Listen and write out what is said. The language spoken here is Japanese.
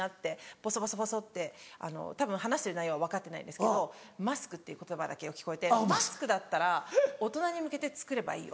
ボソボソボソってたぶん話してる内容は分かってないんですけどマスクっていう言葉だけは聞こえて「マスクだったら大人に向けて作ればいいよ。